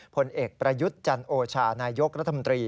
ผลเอกประยุทธ์จันโอชานายกรัฐมนตรี